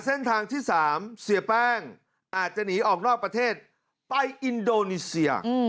เส้นทางที่๓เสียแป้งอาจจะหนีออกนอกประเทศไปอินโดนีเซีย